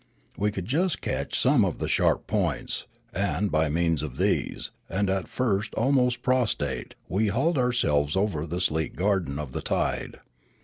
We could just catch some of the sharp points, and, by means of these, and at first almost prostrate, we hauled ourselves over the sleek garden of the tide.